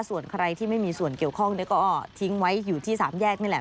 ส่วนใครที่ไม่มีส่วนเกี่ยวข้องก็ทิ้งไว้อยู่ที่สามแยกนี่แหละ